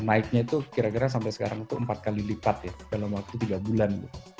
naiknya itu kira kira sampai sekarang itu empat kali lipat ya dalam waktu tiga bulan